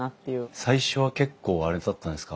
最初は結構あれだったんですか